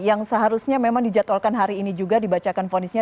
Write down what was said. yang seharusnya memang dijadwalkan hari ini juga dibacakan fonisnya